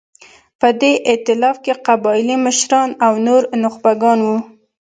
په دې اېتلاف کې قبایلي مشران او نور نخبګان وو.